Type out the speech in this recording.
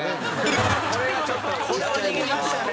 これは逃げましたね。